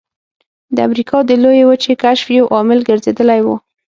د امریکا د لویې وچې کشف یو عامل ګرځېدلی و.